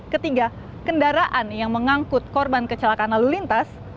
ketiga kendaraan yang mengangkut korban kecelakaan lalu lintas